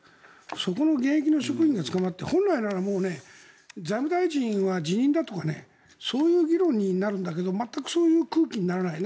そこの現役の職員が捕まって本来ならもう財務大臣は辞任だとかそういう議論になるんだけど全くそういう空気にならない。